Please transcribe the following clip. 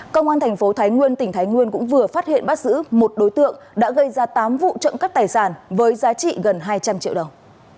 công an thành phố thái nguyên tỉnh thái nguyên cũng vừa phát hiện bắt giữ một đối tượng đã gây ra tám vụ trộm cắp tài sản với giá trị gần hai trăm linh triệu đồng